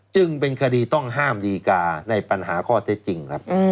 จึงเป็นคดีต้องห้ามดีการ์ในปัญหาข้อเท็จจริงครับ